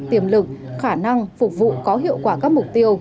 tiềm lực khả năng phục vụ có hiệu quả các mục tiêu